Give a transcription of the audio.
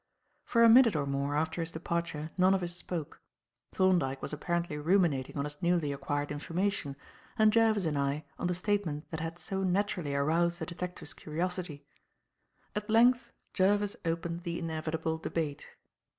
For a minute or more after his departure none of us spoke. Thorndyke was apparently ruminating on his newly acquired information, and Jervis and I on the statement that had so naturally aroused the detective's curiosity. At length Jervis opened the inevitable debate.